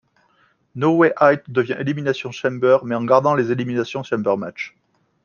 No Way Out devient Elimination Chamber mais en gardant les Elimination Chamber match.